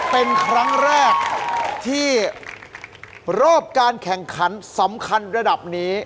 เป็นครั้งแรกที่รอบการแข่งขันสำคัญระดับนี้